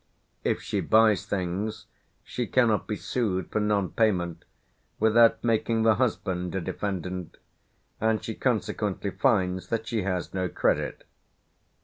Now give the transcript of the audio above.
If she buys things she cannot be sued for non payment without making the husband a defendant, and she consequently finds that she has no credit.